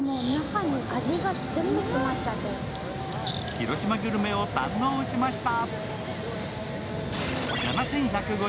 広島グルメを堪能しました。